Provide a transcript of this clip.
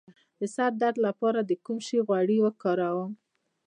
د سر درد لپاره د کوم شي غوړي وکاروم؟